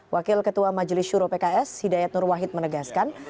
wakil ketua majelis syuro pks hidayat nur wahid menegaskan